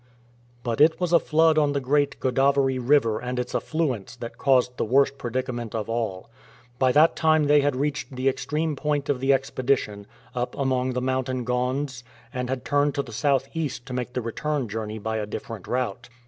But it was a flood on the great Godavery river and its affluents that caused the worst predicament of all. By that time they had reached the extreme point of the expedition, up among the mountain Gonds, and had turned to the south east to make the return journey by a different route.